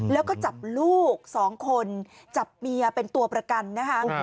แล้วก็จับลูก๒คนจับเมียเป็นตัวประกันนะคะ